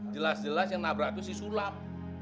jelas jelas yang nabrak tuh si sulam